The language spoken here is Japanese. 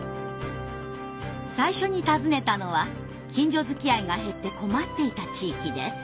最初に訪ねたのは近所づきあいが減って困っていた地域です。